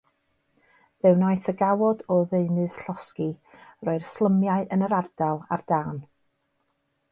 Fe wnaeth y gawod o ddeunydd llosgi rhoi'r slymiau yn yr ardal ar dân..